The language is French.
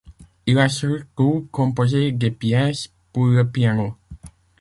Il a surtout composé des pièces pour le piano.